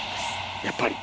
やっぱり！